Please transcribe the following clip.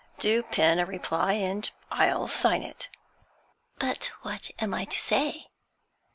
Do pen a reply and I'll sign it.' 'But what am I to say?'